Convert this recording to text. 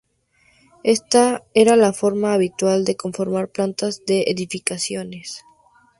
Esta era la forma habitual de conformar plantas de edificaciones.